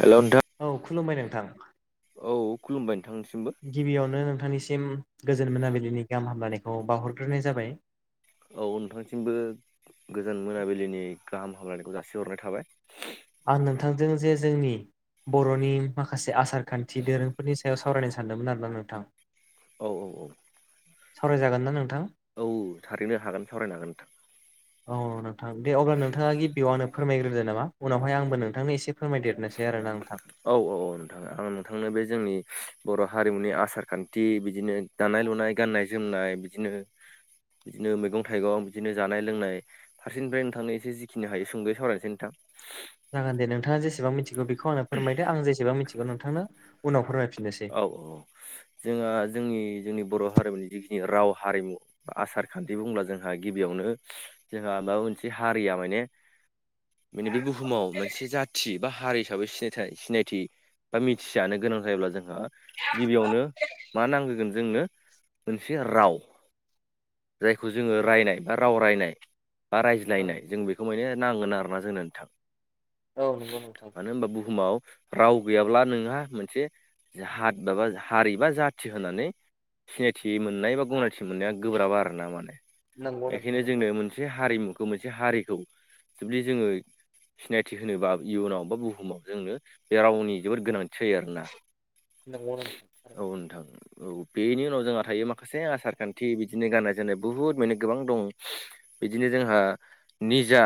Hello नोंथां। औ खुलुमबाय नोंथां। औ खुलुमबाय नोंथांनिसिमबो। गिबियावनो नोंथांनिसिम गोजोन मोनाबिलिनि गाहाम हामलायखौ बावहरग्रोनाय जाबाय। औ नोंथांनिसिमबो गोजोन मोनाबिलिनि गाहाम हामलायनायखौ जासिहरनाय थाबाय। आं नोंथांजों जे जोंनि बर'नि माखासे आसार खान्थि दोरोंफोरनि सा सायाव सावरायनो सानदोंमोन आरोना नोंथां। औ औ औ। सावराय जागोनना नोंथां? औ थारैनो हागोन सावरायनो हागोन नोंथां। औ नोंथां दे अब्ला नोंथाङा गिबियाव आनो फोरमायग्रोदो नामा। उनावहाय आंबो नोंथांनो एसे फोरमायदेरनोसै आरोना नोंथां। औ औ औ नोंथां आं नोंथांनो बे जोंनि बर' हारिमुनि आसार खान्थि बिदिनो दानाय लुनाय गाननाय जोमनाय बिदिनो, बिदिनो मैगं थाइगं, बिदिनो जानाय लोंनाय। फारसेनिफ्राय नोंथांनो एसे जिखिनि हायो सुंदयै सावरायनोसै नोंथां। जागोन दे नोंथाङा जेसेबां मिथिगौ बेखौ आंनो फोरमायदो। आं जेसेबां मिथिगौ नोंथांनो उनाव फोरमायफिननोसै। औ औ जोंहा जोंनि जोंनि बर' हारिमुनि जिखिनि राव हारिमु आसार खान्थि बुंब्ला जोंहा गिबियावनो जोंहा माबा मोनसे हारिया माने बे बुहुमाव मोनसे जाथि बा हारि हिसाबै सिनाय-सिनायथि बा मिथिजानो गोनां जायोब्ला जोंहा गिबियावनो मा नांगोग्रोन जोंनो मोनसे राव। जायखौ जोङो रायनाय, बा राव रायनाय, बा औ रायज्लायनाय जों बेखौ खमैनो नांगोन आरो ना जोंनो नोंथां। औ नंगौ नोंथां मानो होमबा बुहुमाव राव गैयाब्ला नोंहा मोनसे जाहा माबा हारि बा जाथि होननानै सिनायथि मोननाय बा गनायथि मोननाया गोब्राबा आरोना माने नंगौ नोंथां एखायनो नंगौ जोंनो मोन से हारिमुखौ मोनसे हारिखौ जुदि जोङो सिनायथि होनोबा इयुनाव बा बुहुमाव जोंनो बे रावनि जोबोद गोनां सै आरो ना। नंगौ नोंथां औ नोंथां औ बेनि उनाव जोंहा थायो माखासे आसार खान्थि बिदिनो गाननाय जोनो बुहुद मोने गोबां दं। बिदिनो जोंहा निजा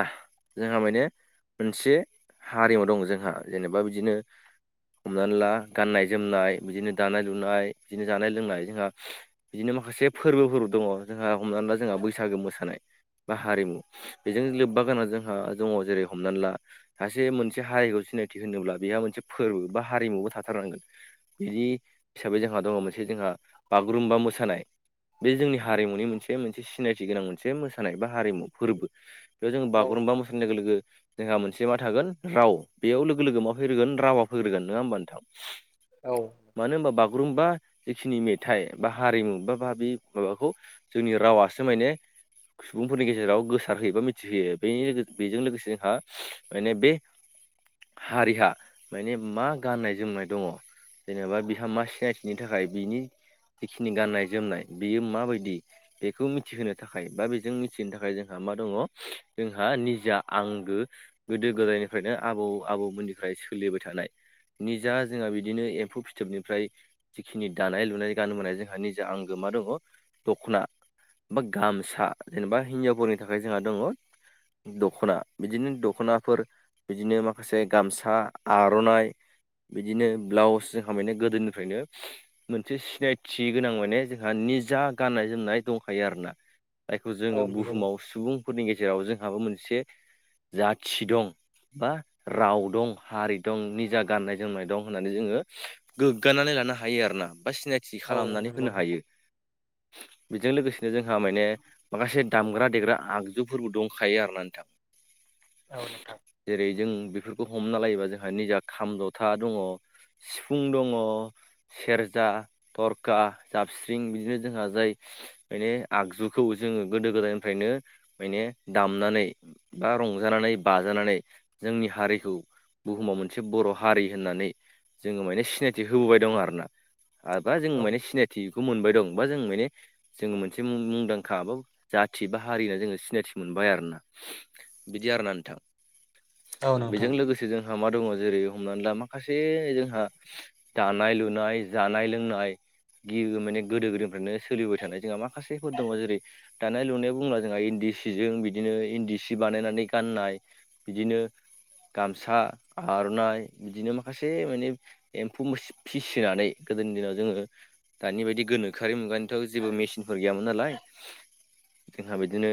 जोंहा माने मोनसे हारिमु दङ जोंहा जेनेबा बिदिनो हमनानै ला गाननाय जोमनाय, बिदिनो दानाय लुनाय, बिदिनो जानाय लोंनाय जोंहा बिदिनो माखासे फोरबोफोर दङ जोंहा हमनानै ला जोंहा बैसागो मोसानाय, बा हारिमु बेजों लोब्बा गोनां जोंहा दङ। जेरै हमनानै ला सासे मोनसे हारिखौ सिनायथि होनोब्ला बेहा मोनसे फोरबो बा हारिमुबो थाथारनांगोन। बिदि हिसाबै जोंहा दङ मोनसे जोंहा बागुरुम्बा मोसानाय। बे जोंनि हारिमुनि मोनसे मोनसे सिनायथि गोनां मोनसे मोसानाय, बा हारिमु फोरबो। बेयाव जों औ बागुरुमबा मोसानाय लोगो लोगो जोंहा मोनसे मा थागोन राव बेयाव लोगो लोगो मा फैग्रोगोन रावा फैग्रोगोन नङा होमबा नोंथां? औ। मानो होनबा बागुरुम्बा जिखिनि मेथाइ बा हारिमु बा बाबि माबाखौ जोंनि रावासो माने सुबुंफोरनि गेजेराव गोसारहोयो बा मिथिहोयो। बेनि बेजों लोगोसे जोंहा माने बे हारिहा माने मा गाननाय जोमनाय दङ? जेनेबा बिहा मा सिनायथिनि थाखाय बिनि जिखिनि गाननाय जोमनाय बेयो माबायदि दि बेखौ मिथिहोनो थाखाय बा बेजों मिथिहो थाखाय जोंहा मा दङ जोंहा निजा आंगो गोदो गोदायनिफ्रायनो आबौ-आबौमोननिफ्राय सोलिबाय थानाय निजा जोंहा बिदिनो एम्फौ फिथोबनिफ्राय जिखिनि दानाय लुनाय गानबोनाय जोंहा निजा आंगो मा दङ दख'ना बा गामसा, जेनेबा हिनजावफोरनि थाखाय जोंहा दङ दख'ना, बिदिनो दख'नाफोर बिदिनो माखासे गामसा, आर'नाइ बिदिनो ब्लाउस जोंहा माने गोदोनिफ्रायनो मोनसे सिनायथि गोनां माने जोंहा निजा गाननाय जोमनाय दंखायो आरोना। जायखौ जोङो औ नंगौ बुहुमाव सुबुंफोरनि गेजेराव जोंहाबो मोनसे जाथि दं। बा राव दं, हारि दं, निजा गाननाय जोमनाय दं होननानै जोङो गोग्गानानै लानो हायो आरोना। बा सिनायथि औ नंगौ खालामनानै नोंथां होनो हायो। बेजों लोगोसेनो जोंहा माने माखासे दामग्रा देग्रा आगजुफोरबो दंखायो आरोना नोंथां। औ नोथां। जेरै जों बेफोरखौ हमना लायोबा जोंहा निजा खाम जथा दङ। सिफुं दङ, सेरजा, थरखा, जाबस्रिं बिदिनो जोंहा जाय माने आगजुखौ जोङो गोदो गोदायनिफ्रायनो माने दामनानै बा रंजानानै बाजानानै जोंनि हारिखौ बुहुमाव मोनसे बर' हारि होननानै जोङो माने सिनायथि होबोबाय दं आरोना आरोबा जों औ माने सिनायथिखौ मोनबाय दं बा जों बेनि जोङो मोनसे मुंदांखाबो जाथि बा हारिना जोङो सिनायथि मोनबाय आरोना। बिदि आरोना नोंथां। नोंथां बेजों औ लोगोसे जोंहा मा दङ जेरै हमनानै ला माखासे जोंहा दानाय लुनाय जानाय लोंनाय गि माने गोदो गोदो फ्रायनो सोलिबोबाय थानाय जोंहा माखासेफोर दङ जेरै दानाय लुनायाव बुंब्ला जोंहा इन्दि सिजों बिदिनो इन्दि सि बानायनानै गाननाय। बिदिनो गामसा, आर'नाइ बिदिनो माखासे माने एम्फौ फिसिनानै गोदोनि दिनाव जोङो दानि बायदि गोनोखो आरि मुगानिथ' जेबो मेसिनफोर गैयामोन नालाय जोंहा बिदिनो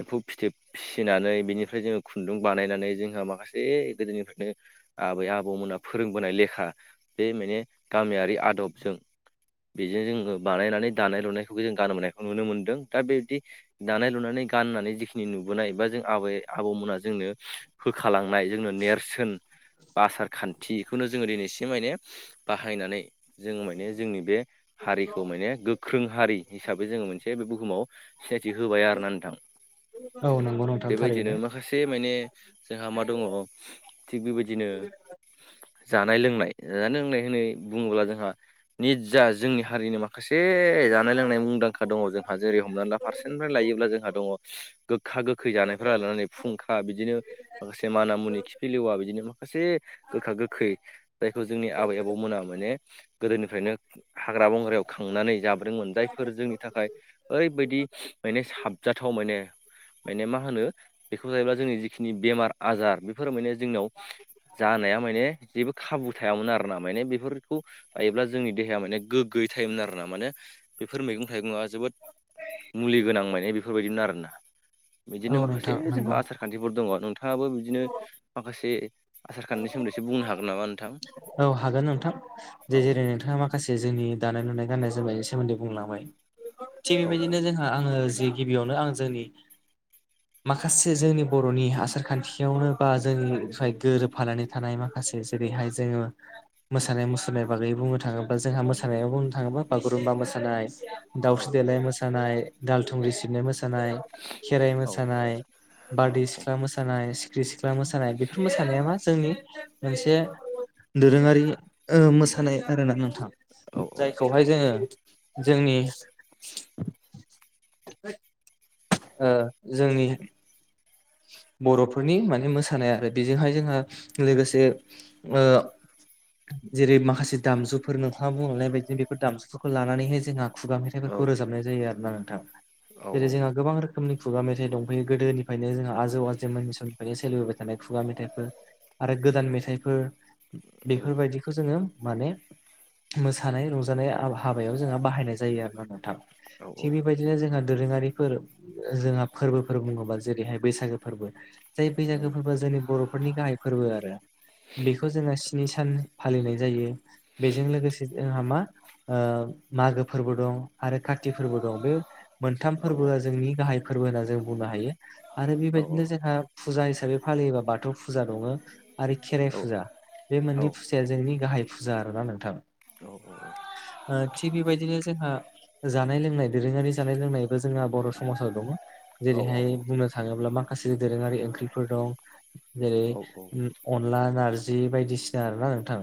एम्फौ फिथोब फिसिनानै बेनिफ्राय जोङो खुन्दुं बानायनानै जोंहा माखासे गोदोनिफ्रायनो आबै आबौमोना फोरोंबोनाय लेखा बे माने गामियारि आदबजों बेजों जोङो बानायनानै दानाय लुनायखौबो जों गानोननायखौ नुनो मोनदों दा बेबदि दानाय लुनानै गाननानै जिखिनि नुबोनाय बा जों आबै आबौमोनहा जोंनो होखालांनाय जोंनो नेरसोन बा आसार खान्थिखौनो जोङो दिनैसिम माने बाहायनानै जोङो माने जोंनि बे हारि खौ माने गोख्रों हारि हिसाबै जोङो मोनसे बे बुहुमाव सिनायथि होबाय आरोना नोंथां। नंगौ नोंथां बेबायदिनो थारैनो माखासे माने जोंहा मा दङ थिग बेबायदिनो जानाय लोंनाय जानाय लोंनाय होननाय बुङोब्ला जोंहा निजा जोंनि हारिनि माखा माखासे जानाय लोंनाय मुंदांखा दङ जोंहा जेरै हमनानै ला फारसेनिफ्राय लायोब्ला जोंहा दङ गोखा गोखै जानायफोरा लानानै फुंखा बिदिनो माखासे मानामुनि खिफिलिवा बिदिनो माखासे गोखा गोखै जायखौ जोंनि आबै आबौमोना माने गोदोनिफ्रायनो हाग्रा बंग्रायाव खांनानै जाबोदोंमोन जायफोर जोंनि थाखाय ओरैबायदि माने साबजाथाव माने माने मा होनो बेखौ जायोब्ला जोंनि जिखिनि बेमार आजार बेफोरो माने जोंनाव जानाया माने जेबो खाबु थायामोन आरोना माने बेफोरखौ जायोब्ला जोंनि देहाया माने गोग्गयै थायोमोन आरोना माने बेफोर मैगं थाइगंआ जोबोद मुलि गोनां माने बेफोरबायदिमोन आरोना औ बिदिनो माखासे नोंथां जोंहा नंगौ आसा खान्थिफोर दङ नोंथाङाबो बिदिनो माखासे आसार खान्थिनि सोमोन्दै एसे बुंनो हागोन नामा नोंथां? औ हागोन नोंथां जे औ जेरै नोंथाङा मा खासे जोंनि दानाय लुनाय गान्नाय जोमनायनि सोमोन्दै बुंलांबाय थिग औ बेबायदिनो जोंहा आङो जि गिबियावनो आं जोंनि माखासे जोंनि बर'नि आसार खान्थियावनो बा जोंनिफ्राय गोरोबफानानै थानाय माखासे जेरैहाय जोङो मोसानाय मुसुरनाय बागै बुंनो थाङोब्ला जोंहा मोसानायाव बुंनो थाङोब्ला बागुरुम्बा मोसानाय औ दावस्रिदेलाय मोसानाय दाल थुंग्रि सिबनाय मोसानाय खेराइ औ मोसानाय औ बारदै सिख्ला मोसा मोसानाय सिखिरि सिख्ला मोसानाय बेफोर मोसानाया मा जोंनि मोनसे दोरोङारि ओ मोसानाय आरोना नोंथां औ जायखौ बहाय जोङो जोंनि ओ जोंनि बर'फोरनि माने मोसानाय आरो बेजोंहाय जोंहा लोगोसे ओ जेरै माखासे दामजुफोर नोंथाङा बुंलांनाय बायदिनो बेफोर दामजुफोरखौ लानानैहाय जोंहा खुगा औ मेथाइफोरखौ रोजाबनाय जायो आरोना नोंथां औ जेरै जोंहा गोबां रोख खोमनि खुगा मेथाइ दंफायो गोदोनिफ्रायनो जोंहा आ आजौ आजै मोननि समनिफ्रायनो सोलिबोबाय थानाय खुगा मेथाइफोर आरो गोदान मेथाइफोर। बेफोरबायदिखौ जोङो माने मोसानाय रंजानाय आब हाबायाव जोंहा बाहायनाय जायो आरोना नोंथां। औ थिग बेबायदिनो जोंहा दोरोङारिफोर जोंहा फोरबोफोर बुंङोबा जेरैहाय बैसागो फोरबो जाय औ बैसागो फोरबोआ जोंनि बर'फोरनि गाहाय फोरबो आरो। बेखौ जोहा स्नि सान फालिनाय जायो बेजों लोगोसे जोंहा मा ओ मागो फोरबो दं आरो काति फोरबो दं बे मोनथाम फोरबोआ जोंनि गाहाय फोरबो होनना जों बुंनो हायो आरो बेबायदिनो जोंहा फुजा हिसाबै फालियोबा बाथौ फुजा दङ आरो खेराइ फुजा बे औ मोननै फुजाया जोंनि गाहाय फुजा आरोना नोंथां। [unintelligible] ओ थिग बेबायदिनो जोंहा जानाय लोंनाय दोरोङारि जानाय लोंनायबा जोंहा बर' समाजाव दङ। औ नंगौ औ जेरैहाय बुंनो थाङोब्ला माखासे दोरोङारि ओंख्रिफोर दं जेरै उम अनला नार्जि बायदिसिना आरोना नोंथाङ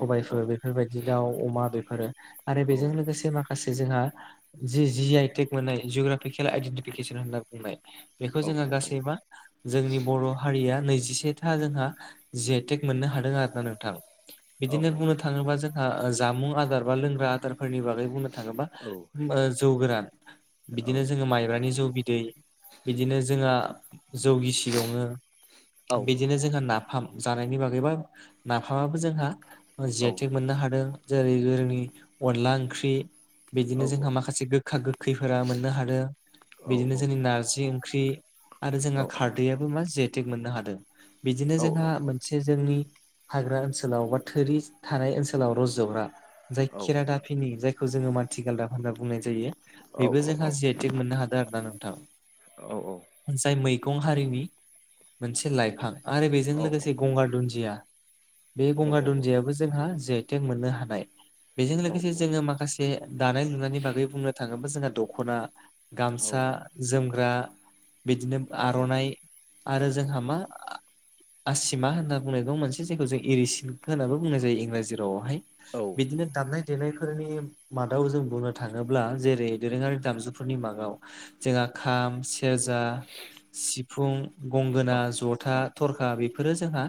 सबायफोर बे बेफोरबायदि दाउ अमा बेफोरो आरो बेजों लोगोसे माखासे जोंहा जि जि आइ टेक मोननाय जुग्राफिकेल आइडेन्टिफिकेसन होनना बुंनाय बेखौ जोंहा गासै एबा जोंनि बर' हारिया नैजिसेथा जोंहा जि आइ टेक मोननो हादों आरो ना नोंथां। बिदिनो बुंनो थाङोबा जोंहा ओ जामुं आदार बा लोंग्रा आदारफोरनि बागै बुंनो थाङोबा होमबा जौ गोरान बिदिनो जोङो माइब्रानि जौ बिदै बिदिनो जोंहा जौ गिसि दङो बिदिनो जोंहा ना फाम जानायनि बागैबा नाफामाबो जोंहा जि आइ टेक मोननो हादों जेरै जोंनि अनला ओंख्रि बिदिनो जोंहा माखासे गोखा गोखैफोरा मोननो हादों बिदिनो जोंनि नारजि ओंख्रि। आरो जोंहा खारदैयाबो मा जि आइ टेक मोननो हादों बिदिनो जोंहा मोनसे जोंनि हाग्रा ओनसोलाव बा थोरि थानाय ओनसोलाव रज'ग्रा जाय खेरादाफिनि जायखौ जोङो माथि गालदाब होनना बुंनाय जायो। बेबो जोंहा जि आइ टेक मोननो हादों आरोना नोंथां। औ औ। जाय मैगं हारिनि मोनसे लाइफां आरो बेजों लोगोसे गंगार दुनजिया। बे गंगार दुनजियाबो जोंहा जि आइ टेक मोननो हानाय। बेजों लोगोसे जोङो माखासे दानाय लुनायनि बागै बुंनो थाङोबा जोंहा दख'ना। गामसा जोमग्रा बिदिनो आर'नाइ आरो जोंहा मा आसिमा होनना बुंनाय दं मोनसे जायखौ जों इरि सिल्क होननाबो बुंनाय जायो इंराजि रावावहाय। बिदिनो दामनाय देनायफोरनि मादाव जों बुंनो थाङोब्ला जेरै दोरोङारि दामजुफोरनि मागाव जोंहा खाम सेरजा सिफुं गंगोना जथा थरखा बेफोरो जोंहा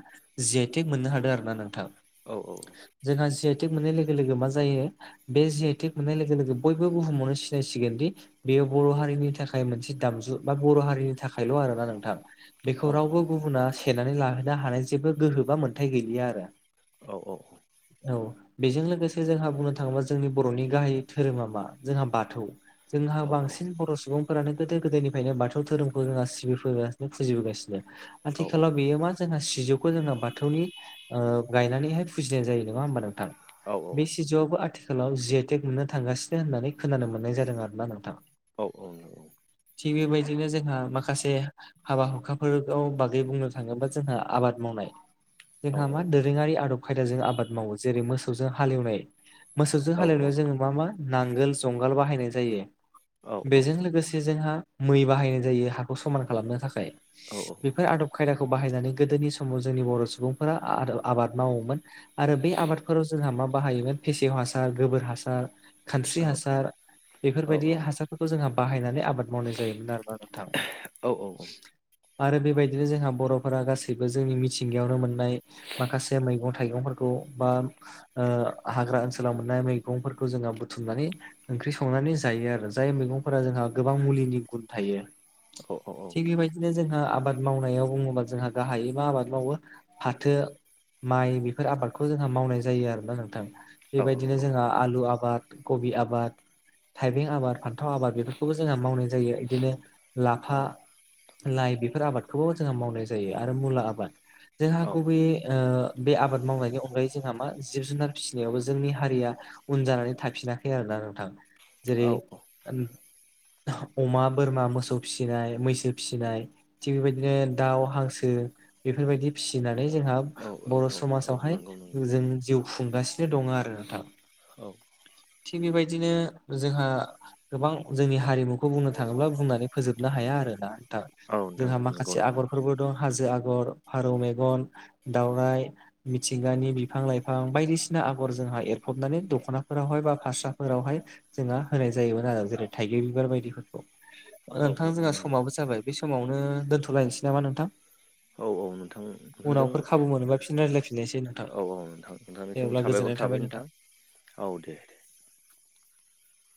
जि आइ टेक मोननो हादों आरोना नोंथां। औ औ औ। जोंहा जि आइ टेक मोननाय लोगो लोगो मा जायो बे जि आइ टेक मोननाय लोगो लोगो बयबो बुहुमावनो सिनायसिगोन दि बेयो बर' हारिनि थाखाय मोनसे दामजु बा बर' हारिनि थाखायल' आरोना नोंथां। बेखौ रावबो गुबुना सेनानै लाहैनो हानाय जेबो गोहो बा मोन्थाइ गैलिया आरो। औ औ। औ। बेजों लोगोसे जोंहा बुंनो थाङोबा जोंनि बर'नि गाहाइ धोरोमा मा जोंहा बाथौ। जोंहा बांसिन बर' सुबुंफोरानो गोदो गोदायनिफ्रायनो बाथौ धोरोमखौ जोंहा सिबिबोगासिनो फुजिबोगासिनो आथिखालाव बेयो मा जोंहा सिजौखौ जोङो बाथौनि ओ गायनानैहाय फुजिनाय जायो नङा होमबा नोंथां? बे सिजौआवबो आथिखालाव जि आइ टेक मोननो थांगासिनो होननानै खोनानो मोननाय जादों आरोना नोंथां। औ औ। थिग बेबायदिनो जोंहा माखासे हाबा हुखाफोराव बागै बुंनो थाङोबा जोंहा आबाद मावनाय। जोंहा मा दोरोङारि आदब खायदाजों आबाद मावो जेरै मोसौजों हालेवनाय मोसौजों हालेवनायाव जोङो मा मा नांगोल जुंगाल बाहायनाय जायो। बेजों लोगोसे जोंहा मै बाहायनाय जायो हाखौ समान खालामनो थाखाय। बेफोर आदब खायदाखौ बाहायनानै गोदोनि समाव जोंनि बर' सुबुंफोरा आदब आबाद मावोमोन। आरो बे आबादफोराव जोंहा मा बाहायोमोन फेसेव हासार गोबोर हासार खानस्रि हासार बेफोरबायदि हासारफोरखौ जोंहा बाहायनानै आबाद मावनाय जायोमोन आरोना नोंथां। औ औ। आरो बेबायदिनो जोंहा बर'फोरा गासैबो जोंनि मिथिंगायावनो मोननाय माखासे मैगं थाइगंफोरखौ बा ओ हाग्रा ओनसोलाव मोननाय मैगंफोरखौ जोङो बुथुमनानै ओंख्रि संनानै जायो आरो जाय मैगंफोराव जोंहा गोबां मुलिनि गुन थायो। अ औ थिग बेबायदिनो जोंहा आबाद मावनायाव बुङोबा जोंहा गाहायै मा आबाद मावो फाथो माइ बेफोर आबादखौ जोंहा मावनाय जायो। आरोोना नोंथां औ बेबायदिनो जोंहा आलु आबाद कबि आबाद थाइबें आबाद फान्थाव आबाद बेफोरखौबो जोंहा मावनाय जायो बिदिनो औ लाफा औ लाइ बेफोर आबादखौबो जोंहा मावनाय जायो आरो मुला आबाद। जोंहा औ गुबै ओ बे आबाद मावनायनि अनगायै जोंहा मा जिब जुनार फिसिनायावबो जोंनि हारिया उन जानानै थाफिनाखै आरोना नोंथां जेरै ओह अमा बोरमा मोसौ फिसिनाय मैसो फिसिनाय। थिग बेबायदिनो दाउ हांसो बेफोरबायदि फिसिनानै जोंहा औ औ बर' औ औ समासआव हाय नंगौ नंगौ ओ जों जिउ खुंगासिनो आरो नोंथां। औ थिग बेबायदिनो जोंहा गोबां जोंनि हारिमुखौ बुंनो थाङोब्ला बुंनानै फोजोबनो हाया आरो ना दा औ नोंथां जोंहा नंगौ माखासे नंगौ आगर फोरबो दं हाजो आगर फारौ मेगन दावराइ मिथिंगानि बिफां लाइफां बायदिसिना आगर जोंहा एरफबनानै दख'नाफोरावहाय बा फाससाफोरावहाय जोंना होनाय जायोमोन आरो जेरै थाइगिर बिबार बायदिफोरखौ। औ औ नोंथां औ जोंहा नंगौ समाबो जाबाय बे समावनो दोन्थ'लायनोसै नामा नोंथां? औ औ नोंथां नोंथांजों उनावफोर खाबु मोनोबा फिन रायज्लायफिनलायसै नोंथां। औ औ नोंथां दे नोंथांनिसिम अब्ला साबायखर गोजोननाय थाबाय नोंथां। औ दे।